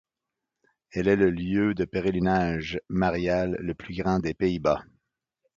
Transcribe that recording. Elle est le lieu de pèlerinage marial le plus grand des Pays-Bas.